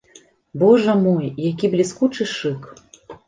Божа мой, які бліскучы шык!